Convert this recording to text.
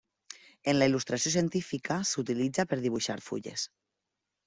En la il·lustració científica s'utilitza per a dibuixar fulles.